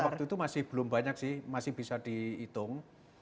waktu itu masih belum banyak sih masih bisa dihitung